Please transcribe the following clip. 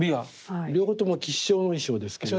両方とも吉祥の意匠ですけども。